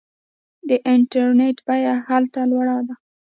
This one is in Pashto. د انټرنیټ بیه هلته لوړه ده.